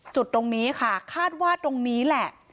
จุดตรงนี้ค่ะคาดว่าตรงนี้แหละ